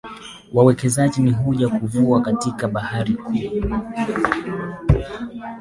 Wawekezaji huja kuvua katika bahari kuu